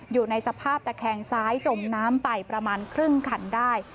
อยู่ในสภาพตะแคงซ้ายจมน้ำไปประมาณครึ่งคันได้